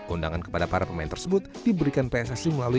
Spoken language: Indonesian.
undangan kepada para pemain tersebut diberikan pssi melalui